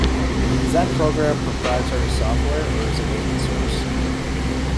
Is that program proprietary software, or is it open source?